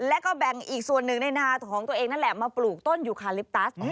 แล้วก็แบ่งอีกส่วนหนึ่งในนาของตัวเองนั่นแหละมาปลูกต้นยูคาลิปตัส